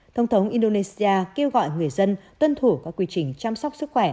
thông thống indonesia kêu gọi người dân tuân thủ các quy trình chăm sóc sức khỏe